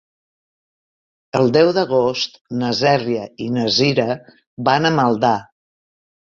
El deu d'agost na Cèlia i na Cira van a Maldà.